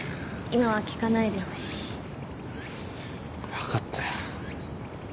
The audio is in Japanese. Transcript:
分かったよ。